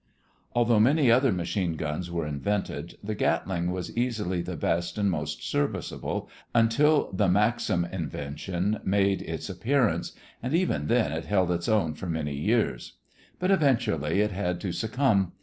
Although many other machine guns were invented, the Gatling was easily the best and most serviceable, until the Maxim invention made its appearance, and even then it held its own for many years; but eventually it had to succumb.